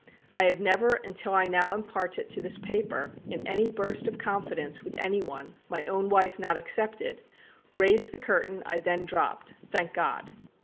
I have never, until I now impart it to this paper, in any burst of confidence with any one, my own wife not excepted, raised the curtain I then dropped, thank God."